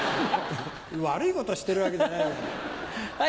悪いことしてるわけじゃないじゃない。